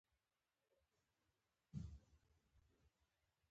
په جندول کې یې اعلان وکړ.